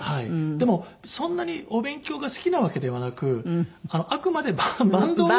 でもそんなにお勉強が好きなわけではなくあくまでバンドを。